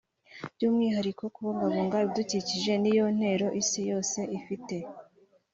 By’umwihariko kubungabunga ibidukikije niyo ntero Isi yose ifite